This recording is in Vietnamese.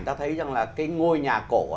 ta thấy rằng là cái ngôi nhà cổ